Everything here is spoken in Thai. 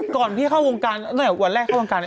ก่อนพี่เข้าโรงการ